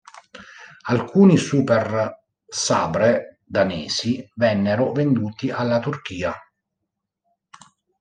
Alcuni Super Sabre danesi vennero venduti alla Turchia.